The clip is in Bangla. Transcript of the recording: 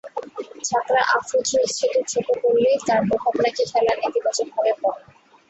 ঝাঁকড়া আফ্রো চুল ছেঁটে ছোট করলেই তার প্রভাব নাকি খেলায় নেতিবাচকভাবে পড়ে।